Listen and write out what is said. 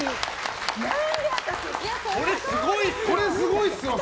これ、すごいですよ。